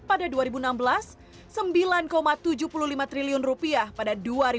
angka defisit bpjs kesehatan mencapai rp tiga tujuh triliun pada dua ribu tujuh belas